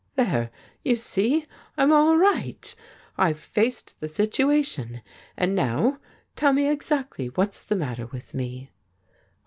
' There, you see — I'm all right. I've faced the situation. And now tell me exactly what's the matter with me.'